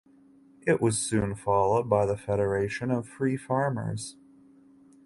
It was soon followed by the Federation of Free Farmers.